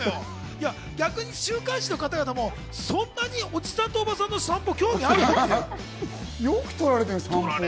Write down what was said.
逆に週刊誌の方々もそんなにおじさんとおばさんの散歩、興味あるかなっていう。